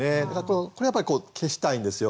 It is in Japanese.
これやっぱり消したいんですよ。